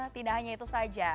tindahannya itu saja